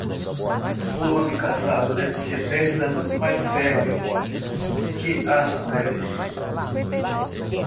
O homem casado deve ser dez anos mais velho que as mulheres.